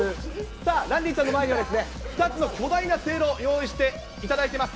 さあ、ランディちゃんの前には２つの巨大なせいろを用意していただいています。